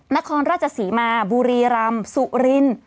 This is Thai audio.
นครราชศรีมาบุรีรำสุรินทร์